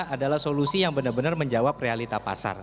adalah solusi yang benar benar menjawab realita pasar